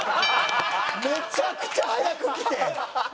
めちゃくちゃ早く来て。